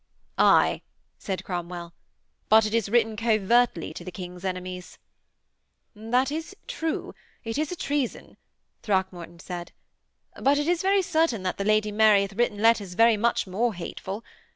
'Aye,' said Cromwell; 'but it is written covertly to the King's enemies.' 'That, it is true, is a treason,' Throckmorton said; 'but it is very certain that the Lady Mary hath written letters very much more hateful.